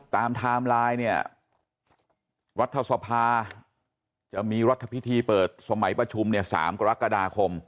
ไทม์ไลน์เนี่ยรัฐสภาจะมีรัฐพิธีเปิดสมัยประชุมเนี่ย๓กรกฎาคม